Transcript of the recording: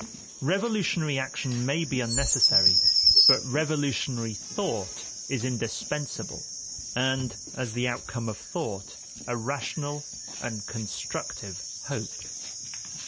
Revolutionary action may be unnecessary, but revolutionary thought is indispensable, and, as the outcome of thought, a rational and constructive hope.